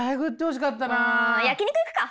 焼き肉行くか！